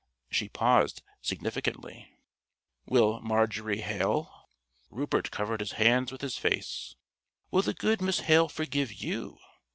She paused significantly. "Will Marjorie Hale" (Rupert covered his hands with his face) "will the good Miss Hale forgive you?